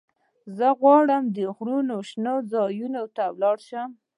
زه غواړم د غرونو شنو ځايونو ته ولاړ شم.